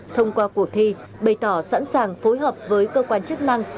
thông qua cuộc thi bày tỏ sẵn sàng phối hợp với cơ quan chức năng